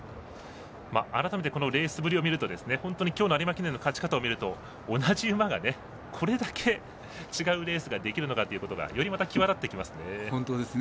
改めてこのレースぶりを見ると本当に今日の有馬記念の勝ち方を見ると同じ馬がこれだけ違うレースができるのかということがよりまた際立ってきますね。